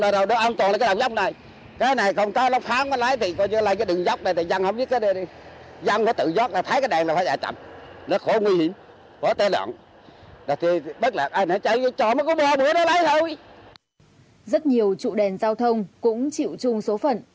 rất nhiều trụ đèn giao thông cũng chịu chung số phận